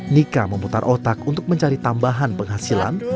nika memutar otak untuk mencari tambahan penghasilan